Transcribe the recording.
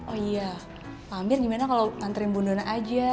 oh iya pamir gimana kalau nantriin bu dona aja